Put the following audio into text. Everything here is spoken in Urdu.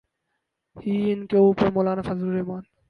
ہی، ان کے اوپر مولانا فضل الرحمن۔